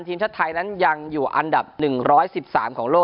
ทีมชาติไทยนั้นยังอยู่อันดับ๑๑๓ของโลก